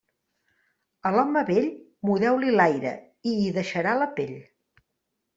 A l'home vell, mudeu-li l'aire i hi deixarà la pell.